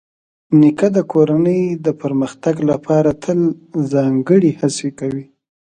نیکه د کورنۍ د پرمختګ لپاره تل ځانګړې هڅې کوي.